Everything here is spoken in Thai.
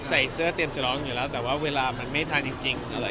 ใส่เสื้อเตรียมจะร้องอยู่แล้วแต่ว่าเวลามันไม่ทันจริงอะไร